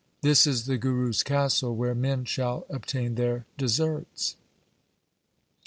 This is the Guru's castle where men shall obtain their deserts.'